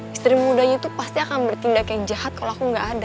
istri mudanya itu pasti akan bertindak yang jahat kalau aku gak ada